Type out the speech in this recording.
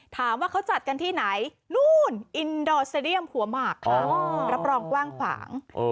ถามว่าเขาจัดกันที่ไหนนู่นอินดอร์เซเดียมหัวหมากค่ะรับรองกว้างขวาง